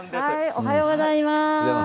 おはようございます。